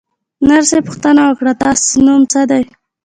نرسې پوښتنه وکړه: ستاسې نوم څه دی؟